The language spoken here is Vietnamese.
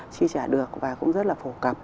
chi trả được và cũng rất là phổ cập